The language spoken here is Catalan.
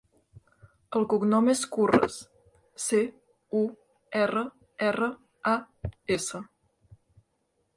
El cognom és Curras: ce, u, erra, erra, a, essa.